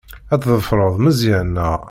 Ad tḍefreḍ Meẓyan, naɣ?